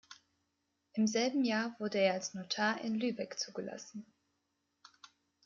Im selben Jahr wurde er als Notar in Lübeck zugelassen.